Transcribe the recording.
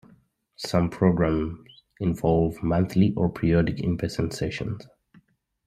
Some programs involve monthly or periodic in-person sessions.